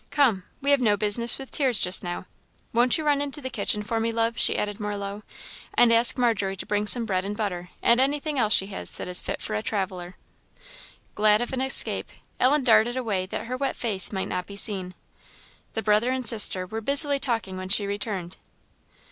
come! we have no business with tears just now. Won't you run into the kitchen for me, love," she added, more low, "and ask Margery to bring some bread and butter, and anything else she has that is fit for a traveller?" Glad of an escape, Ellen darted away that her wet face might not be seen. The brother and sister were busily talking when she returned.